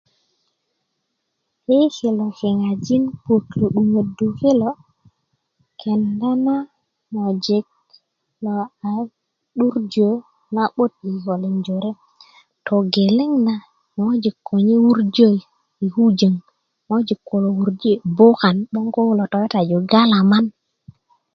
yi kilo ŋajin puök lo 'duŋodu kilo kenda na ŋojik lo a 'durjö na'but i kikölin jore togeleŋ na ŋojik konye wurjö i kujong ŋojik kulo wurji i bukan 'boŋ ko kulo tokitaju galaman